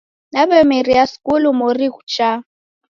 Naw'emeria skulu mori ghuchaa